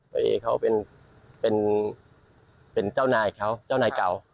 ไปเขาเป็นเจ้านายเขาเจ้านายเก่า